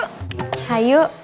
nanti ketemuan yuk